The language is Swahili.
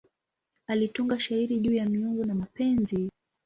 Alitunga shairi juu ya miungu na mapenzi.